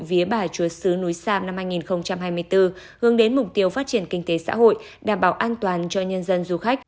vía bà chúa sứ núi sam năm hai nghìn hai mươi bốn hướng đến mục tiêu phát triển kinh tế xã hội đảm bảo an toàn cho nhân dân du khách